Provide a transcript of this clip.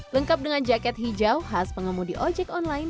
lengkap dengan jaket hijau khas pengemudi ojek online